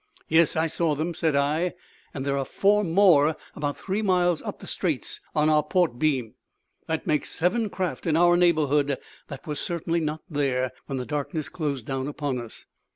"Yes, I saw them," said I. "And there are four more about three miles up the straits, on our port beam. That makes seven craft in our neighbourhood that were certainly not there when the darkness closed down upon us.